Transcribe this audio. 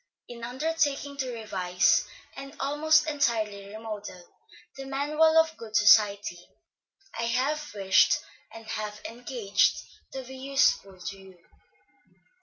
In undertaking to revise, and almost entirely remodel, the Manual of Good Society, I have wished and have engaged to be useful to you.